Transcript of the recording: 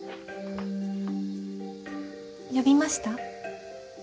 呼びました？